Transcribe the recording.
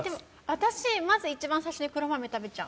私、まず一番最初に黒豆食べちゃう。